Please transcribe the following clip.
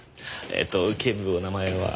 えーっと警部お名前は。